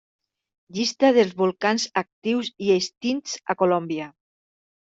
Llista dels volcans actius i extints a Colòmbia.